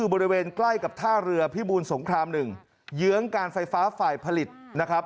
พี่บูนสงครามหนึ่งเยื้องการไฟฟ้าฝ่ายผลิตนะครับ